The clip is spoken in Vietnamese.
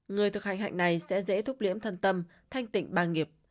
người thực hành hạnh này sẽ dễ thúc liễm thân tâm thanh tịnh ba nghiệp